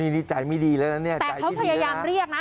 แต่เขาพยายามเรียกนะ